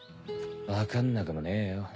わかんなくもねえよ